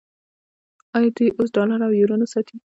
آیا دوی اوس ډالر او یورو نه ساتي؟